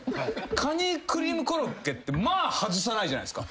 カニクリームコロッケってまあ外さないじゃないですか。